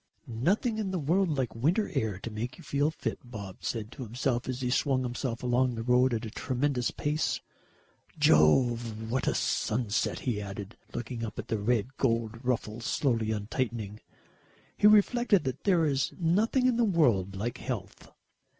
"Nothing in the world like winter air to make you feel fit," Bob said to himself as he swung himself along the road at a tremendous pace. "Jove, what a sunset!" he added, looking up at the red gold ruffles slowly untightening. He reflected that there is nothing in the world like health.